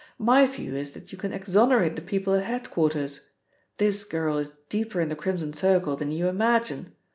"My view is that you can exonerate the people at head quarters. This girl is deeper in the Crimson Circle than you imagine.